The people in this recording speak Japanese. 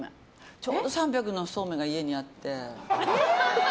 ちょうど３００ｇのそうめんが家にあって。